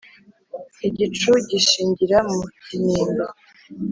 Igicu gishingira mu Kinimba